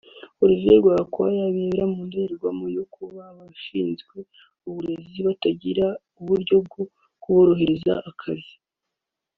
Olivier Rwamukwaya abirebera mu ndorerwamo yo kuba abashinzwe uburezi batagira uburyo bwo kuborohereza akazi